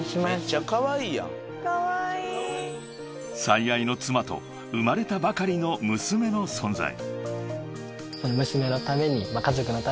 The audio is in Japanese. ［最愛の妻と生まれたばかりの娘の存在］